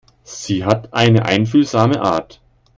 Sie hat eine einfühlsame Art.